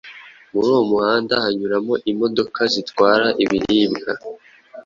Muri uwo muhanda hanyuramwo imodoka zitwara ibiribwa